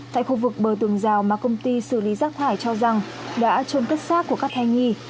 tại khu vực bờ tường rào mà công ty xử lý rác thải cho rằng đã trôn cất xác của các thai nghi